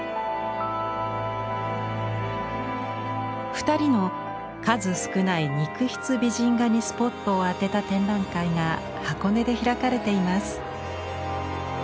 ２人の数少ない肉筆美人画にスポットを当てた展覧会が箱根で開かれています。